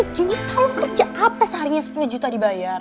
sepuluh juta lo kerja apa seharinya sepuluh juta dibayar